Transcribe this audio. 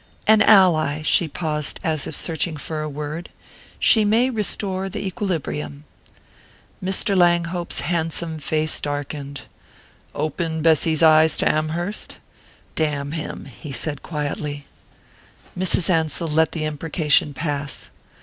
"An ally." She paused, as if searching for a word. "She may restore the equilibrium." Mr. Langhope's handsome face darkened. "Open Bessy's eyes to Amherst? Damn him!" he said quietly. Mrs. Ansell let the imprecation pass.